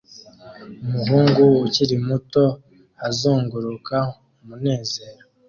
Umuhungu ukiri muto azunguruka umunezero